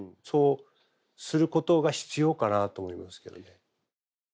そうすることが必要かなと思いますけどね。